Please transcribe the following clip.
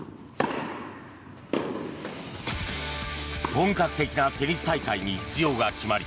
本格的なテニス大会に出場が決まり